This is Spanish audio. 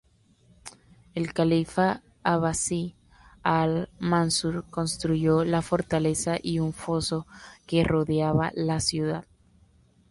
El califa abbasí Al-Mansur construyó la fortaleza y un foso que rodeaba la ciudad.